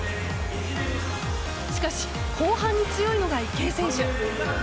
しかし、後半に強いが池江選手。